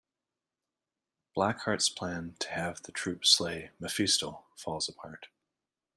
Blackheart's plan to have the Troop slay Mephisto falls apart.